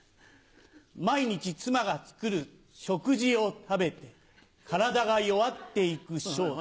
毎日妻が作る食事を食べて体が弱って行く昇太。